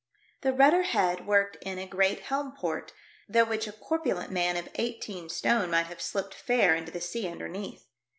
The rudder head worked in a great helm port, through which a corpulent man of eighteen stone might have slipped fair into the sea underneath.